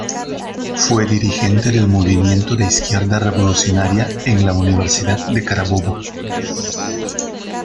Fue dirigente del Movimiento de Izquierda Revolucionaria en la Universidad de Carabobo.